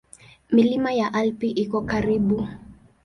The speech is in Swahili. Milima ya Alpi iko karibu.